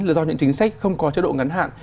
là do những chính sách không có chế độ ngắn hạn